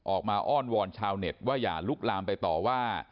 อ้อนวอนชาวเน็ตว่าอย่าลุกลามไปต่อว่า